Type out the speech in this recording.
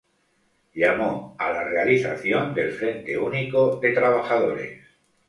Llamó a la realización del Frente Único de Trabajadores.